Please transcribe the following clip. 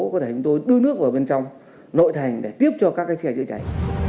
có thể chúng tôi đưa nước vào bên trong nội thành để tiếp cho các cái xe chữa cháy